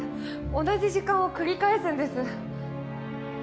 同じ時間を繰り返すんです。